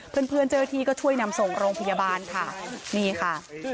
เพื่อนเพื่อนเจ้าหน้าที่ก็ช่วยนำส่งโรงพยาบาลค่ะนี่ค่ะ